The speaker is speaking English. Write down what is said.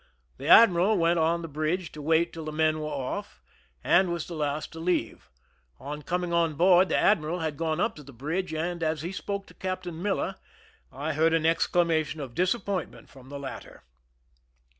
The admiral went on the bridge to wait till the men were off, and was the last to leave. On coming on board, the admiral had gone up on the bridge, and as he spoke to Captain Miller, I heard an exclamation of disappointment from the latter.